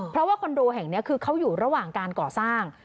เพราะว่าคอนโดแห่งนี้คือเขาอยู่ระหว่างการก่อสร้าง